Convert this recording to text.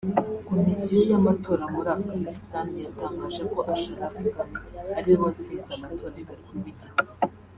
Komisiyo y’amatora muri Afganistan yatangaje ko Asharaf Ghani ariwe watsinze amatora y’umukuru w’igihugu